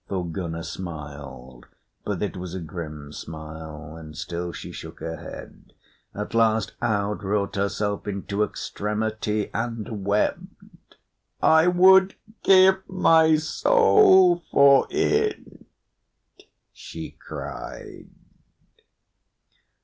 Thorgunna smiled, but it was a grim smile, and still she shook her head. At last Aud wrought herself into extremity and wept. "I would give my soul for it," she cried.